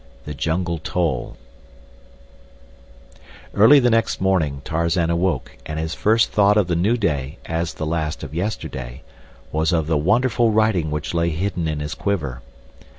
The Jungle Toll Early the following morning Tarzan awoke, and his first thought of the new day, as the last of yesterday, was of the wonderful writing which lay hidden in his quiver.